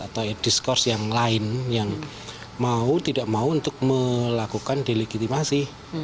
atau diskurs yang lain yang mau tidak mau untuk melakukan delegitimasi